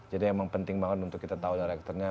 jadi emang penting banget untuk kita tahu directornya